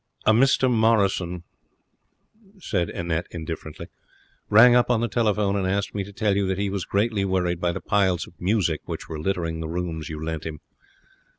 'A Mr Morrison,' said Annette, indifferently, 'rang up on the telephone and asked me to tell you that he was greatly worried by the piles of music which were littering the rooms you lent him.'